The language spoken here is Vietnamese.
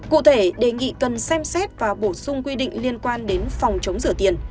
cụ thể đề nghị cần xem xét và bổ sung quy định liên quan đến phòng chống rửa tiền